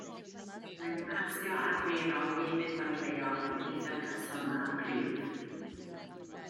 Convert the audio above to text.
Mae fy mhasio arferol hefyd fel rheol yn eithaf cyson a cryf